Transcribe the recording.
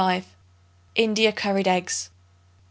India Curried Eggs.